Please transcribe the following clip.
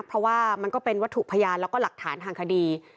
เพราะว่ามันก็เป็นวัตถุพยานแล้วก็หลักฐานทางคดี